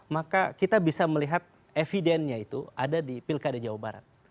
maka kita bisa melihat evidennya itu ada di pilkada jawa barat